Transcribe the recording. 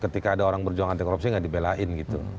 ketika ada orang berjuang anti korupsi nggak dibelain gitu